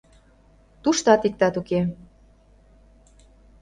Туштат иктат уке.